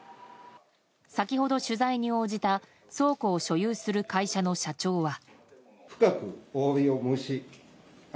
先ほど取材に応じた倉庫を所有する会社の社長は。